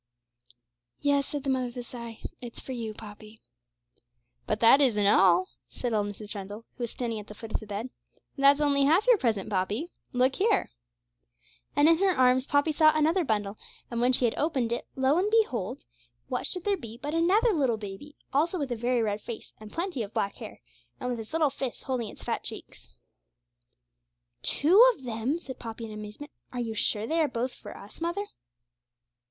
'Yes,' said the mother, with a sigh; 'it's for you, Poppy.' 'But that isn't all,' said old Mrs. Trundle, who was standing at the foot of the bed; 'that's only half your present, Poppy. Look here!' And in her arms Poppy saw another bundle, and when she had opened it, lo and behold, what should there be but another little baby, also with a very red face and plenty of black hair, and with its little fists holding its fat cheeks! 'Two of them?' said Poppy, in amazement. 'Are you sure they are both for us, mother?'